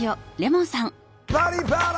「バリバラ」！